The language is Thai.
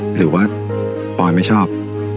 หรือว่าปอยไม่ชอบ